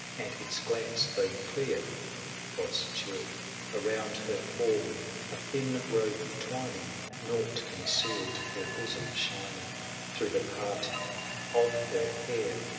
And its glance, though clear, was chill. Around her form a thin robe twining, Nought concealed her bosom shining; 510 Through the parting of her hair.